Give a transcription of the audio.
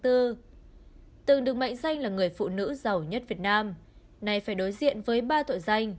từng được mệnh danh là người phụ nữ giàu nhất việt nam này phải đối diện với ba tội danh